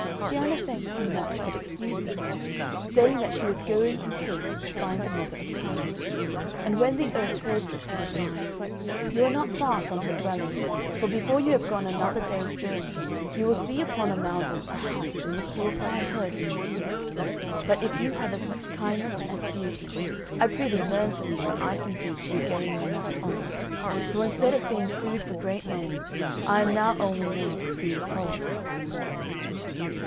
Cianna thanked him much, but excused herself, saying that she was going in haste to find the Mother of Time. And when the oak heard this he replied, "You are not far from her dwelling; for before you have gone another day's journey, you will see upon a mountain a house, in which you will find her whom you seek. But if you have as much kindness as beauty, I prithee learn for me what I can do to regain my lost honour; for instead of being food for great men, I am now only made the food of hogs."